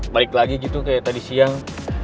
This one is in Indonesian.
balik lagi gitu kayak tadi siang